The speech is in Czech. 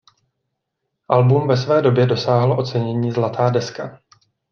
Album ve své době dosáhlo ocenění zlatá deska.